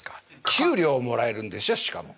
給料もらえるんですよしかも。